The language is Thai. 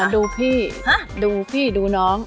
ดูพี่ดูพี่ดูน้อง